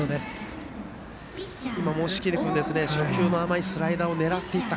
今も押切君初球の甘いスライダーを狙っていった